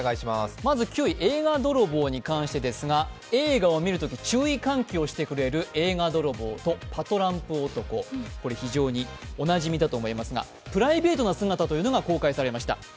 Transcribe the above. まず９位、映画泥棒に関してですが映画を見るとき注意喚起をしてくれる映画泥棒とパトランプ男、非常におなじみだと思いますがプライベートな姿が公開されました。